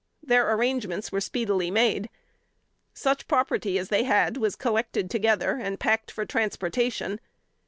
Their arrangements were speedily made. Such property as they had was collected together, and packed for transportation.